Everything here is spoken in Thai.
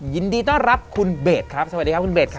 ยินดีต้อนรับคุณเบสครับสวัสดีครับคุณเบสครับ